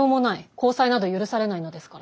交際など許されないのですから。